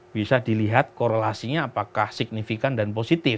bisa dilihat korelasinya apakah signifikan dan positif